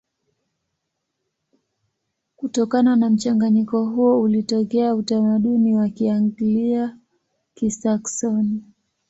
Kutokana na mchanganyiko huo ulitokea utamaduni wa Kianglia-Kisaksoni.